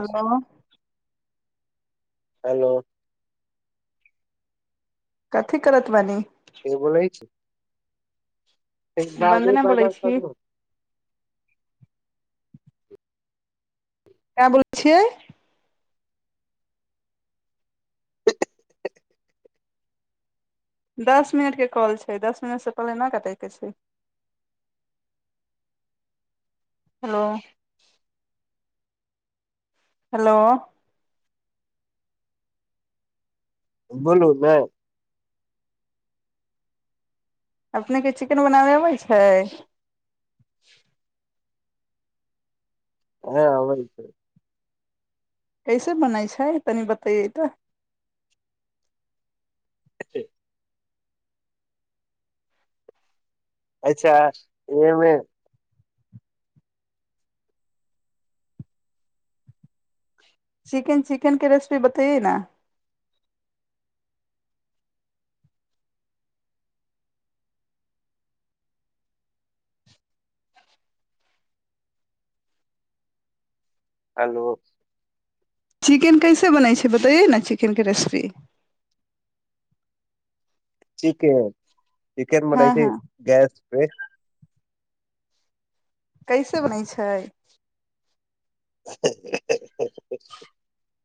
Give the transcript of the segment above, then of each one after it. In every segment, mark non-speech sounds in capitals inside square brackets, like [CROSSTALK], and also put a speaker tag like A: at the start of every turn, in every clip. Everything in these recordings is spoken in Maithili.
A: हेलो
B: हेलो
A: कथी करत बानी
B: के बोलय छै ऐना नय
A: वन्दना बोलै
B: मना
A: छी
B: करियौ
A: का बोलय छिय दस मिनटके कॉल छै दस मिनटसँ पहिले नहि कटयके छै हँ हेलो
B: बोलू ने
A: अपने के चिकेन बनाबय अबै छै
B: हँ आबै छै
A: कैसे बनाइ छै तनी बतैयै तऽ
B: छै अच्छा ऐबै
A: चिकेन चिकेन के रेसिपी बताइए न
B: हलो
A: चिकेन कैसे बनै छै बतैयै ने चिकेनके रेसिपी
B: चिकेन चिकेन
A: हँ
B: बनय छै
A: हँ
B: गैस [UNINTELLIGIBLE]
A: कैसे बनै छै
B: [INAUDIBLE]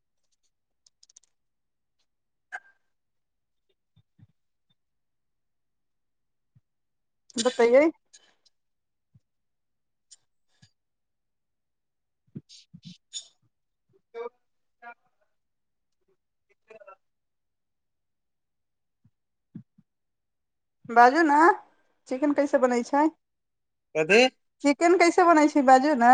A: बतैए [INAUDIBLE] बाजू ने चिकेन कैसे बनै छै
B: कथी
A: बनाै छै बाजू ने